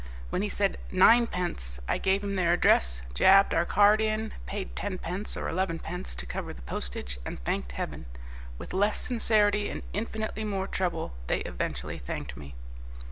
When he said 'Ninepence,' I gave him their address, jabbed our card in, paid tenpence or elevenpence to cover the postage, and thanked heaven. With less sincerity and infinitely more trouble they eventually thanked me."